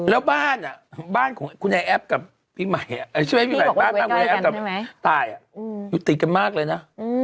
แล้วบ้านอะบ้านของคุณแหย่แอบกับพี่หมายอยู่ติดกันมากเลยนะ